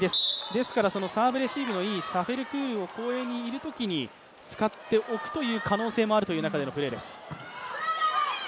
ですからサーブレシーブのいいサフェルクールを後衛にいるときに使っておくという可能性もあるという中でのプレーです。